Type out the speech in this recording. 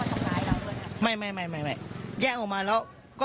ตอนนี้เราแย่งเนี่ยแต่เขามีภาษีเข้ามาช่องร้ายเราด้วยนะครับ